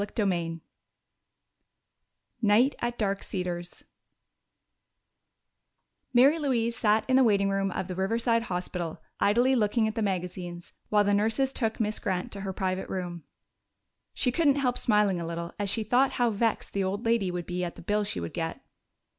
CHAPTER X Night at Dark Cedars Mary Louise sat in the waiting room of the Riverside Hospital, idly looking at the magazines, while the nurses took Miss Grant to her private room. She couldn't help smiling a little as she thought how vexed the old lady would be at the bill she would get.